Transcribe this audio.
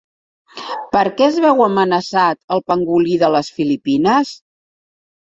Per què es veu amenaçat el pangolí de les Filipines?